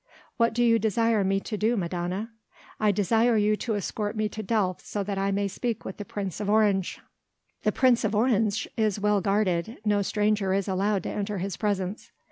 "What do you desire me to do, Madonna?" "I desire you to escort me to Delft so that I may speak with the Prince of Orange." "The Prince of Orange is well guarded. No stranger is allowed to enter his presence."